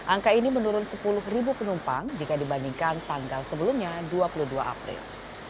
angka ini menurun sepuluh penumpang jika dibandingkan tanggal sebelumnya dua puluh dua april